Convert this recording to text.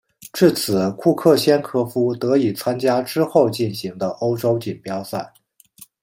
至此库克先科夫得以参加之后进行的欧洲锦标赛。